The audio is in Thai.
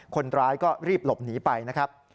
คนร้ายก็รีบหลบหนีไปนะครับ